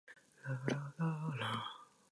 伝える